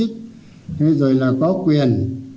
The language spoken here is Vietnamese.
thế rồi là có quyền